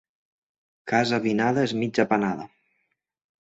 Casa avinada és mig apanada.